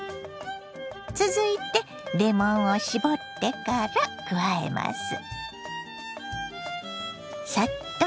続いてレモンを搾ってから加えます。